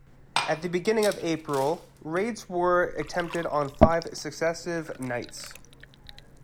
At the beginning of April raids were attempted on five successive nights.